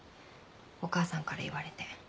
お母さんから言われて。